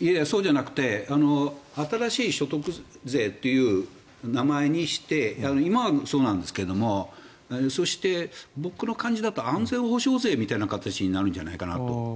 いえ、そうじゃなくて新しい所得税という名前にして今はそうなんですがそして僕の感じだと安全保障税みたいな形になるんじゃないかなと。